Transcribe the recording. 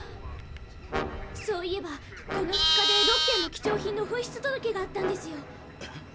そういえばこの２日で６件も貴重品の紛失届があったんですよ。